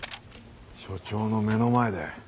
署長の目の前で？